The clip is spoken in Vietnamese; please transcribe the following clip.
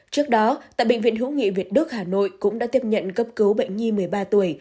trước đó tại bệnh viện hữu nghị việt đức hà nội cũng đã tiếp nhận cấp cứu bệnh nhi một mươi ba tuổi